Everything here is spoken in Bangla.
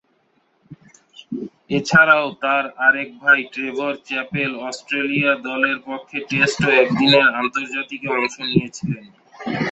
এছাড়াও তার আরেক ভাই ট্রেভর চ্যাপেল অস্ট্রেলিয়া দলের পক্ষে টেস্ট ও একদিনের আন্তর্জাতিকে অংশ নিয়েছিলেন।